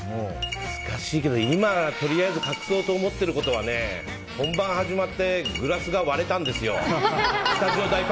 難しいけど、今とりあえず隠そうと思ってることは本番始まってグラスが割れたんですよ。